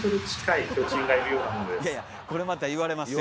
いやいやこれまた言われますよ。